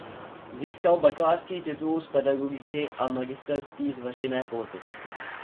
Získal bakalářský titul z pedagogiky a magisterský z veřejné politiky.